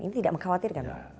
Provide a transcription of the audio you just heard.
ini tidak mengkhawatirkan